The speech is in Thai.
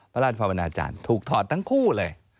พระราชภาวนาจารย์ถูกถอดทั้งคู่เลย